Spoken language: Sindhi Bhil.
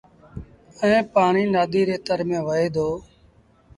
ائيٚݩ پآڻيٚ نآديٚ ري تر ميݩ وهي دو۔